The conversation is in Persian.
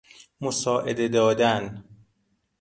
مساعده دادن